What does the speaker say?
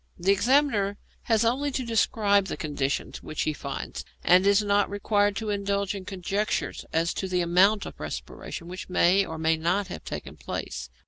The examiner has only to describe the conditions which he finds, and is not required to indulge in conjectures as to the amount of respiration which may or may not have taken place.